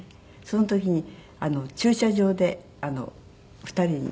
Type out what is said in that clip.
その時に駐車場で２人に。